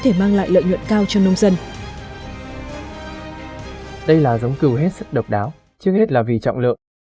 thể mang lại lợi nhuận cao cho nông dân đây là giống kiều hết sức độc đáo trước hết là vì trọng lượng